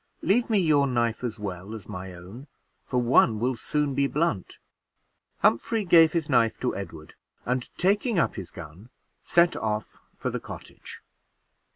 Leave me your knife as well as my own, for one will soon be blunt." Humphrey gave his knife to Edward, and taking up his gun, set off for the cottage.